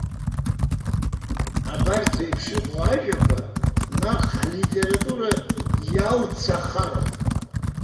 Абарҭ реиԥш иҟоу ажәақәа наҟ ҳлитература иалцахароуп.